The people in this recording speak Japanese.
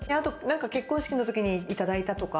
結婚式の時にいただいたとか。